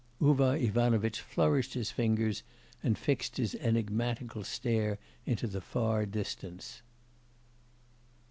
Uvar Ivanovitch flourished his fingers and fixed his enigmatical stare into the far distance.